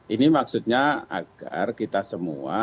ini maksudnya agar kita semua